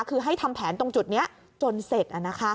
คือให้ทำแผนตรงจุดนี้จนเสร็จ